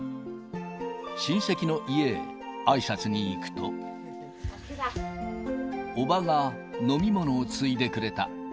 親戚の家へ、あいさつに行くと、おばが飲み物をついでくれた。